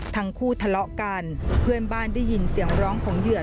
ทั้งคู่ทะเลาะกันเพื่อนบ้านได้ยินเสียงร้องของเหยื่อ